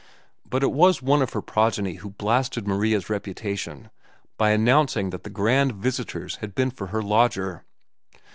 But it was one of her progeny who blasted Maria's reputation by announcing that the grand visitors had been for her lodger.